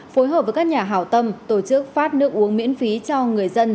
phối hợp với các nhà hảo tâm tổ chức phát nước uống miễn phí cho người dân